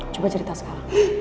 coba cerita sekarang